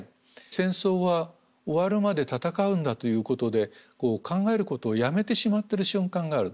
戦争は終わるまで戦うんだということで考えることをやめてしまってる瞬間がある。